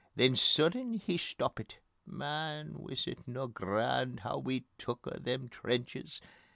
Then sudden he stoppit: "Man, wis it no grand Hoo we took a' them trenches?"